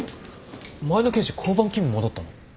前の刑事交番勤務戻ったの？